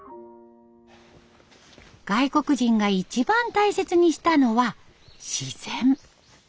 外国人が一番大切にしたのは自然。